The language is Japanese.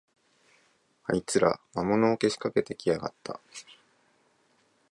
あいつら、魔物をけしかけてきやがった